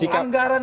oke sebentar bang